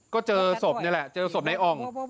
ก็เจอศพนี่แหละเจอศพนายอ่อง